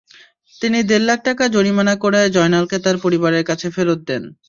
তিনি দেড় লাখ টাকা জরিমানা করে জয়নালকে তাঁর পরিবারের কাছে ফেরত দেন।